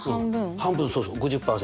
半分そうそう５０％